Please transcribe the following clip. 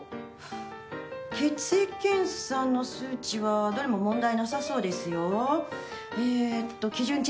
血液検査の数値はどれも問題なさそうですよ。